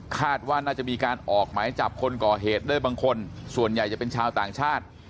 คาดว่าน่าจะมีการออกหมายจับคนก่อเหตุได้บางคนส่วนใหญ่จะเป็นชาวต่างชาติ